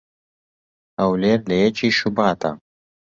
"هەولێر لە یەکی شوباتا"